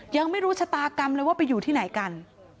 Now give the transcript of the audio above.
ยังไม่รู้ชะตากรรมเลยว่าไปอยู่ที่ไหนกัน